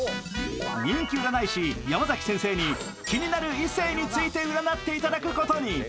人気占い師・山崎先生に気になる異性について占っていただくことに。